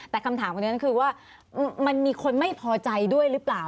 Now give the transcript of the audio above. แต่คำถามคนนั้นคือว่ามันมีคนไม่พอใจด้วยหรือเปล่า